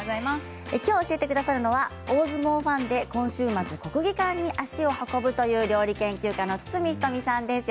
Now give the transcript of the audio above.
きょう教えてくださるのは大相撲ファンで、今週末国技館に足を運ぶという料理研究家の堤人美さんです。